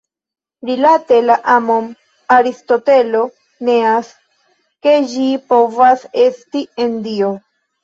Rilate la amon Aristotelo neas ke ĝi povas esti en Dio.